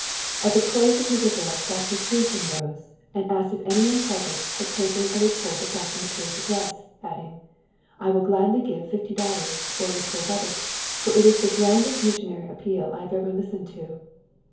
At the close of his address Dr. Pierson rose and asked if anyone present had taken a report of Dr. Mackay's address, adding, "I will gladly give $50 for a report of it, for it is the grandest missionary appeal I have ever listened to."